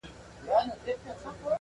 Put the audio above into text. o لوټه ايږدي پښه پر ايږدي!